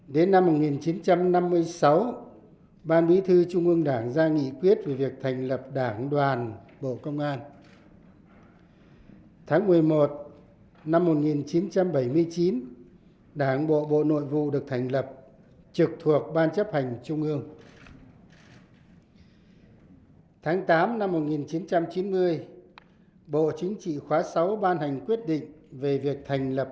đến năm một nghìn chín trăm năm mươi sáu ban bí thư trung ương đã đặt đồng chí đảng cộng sản việt nam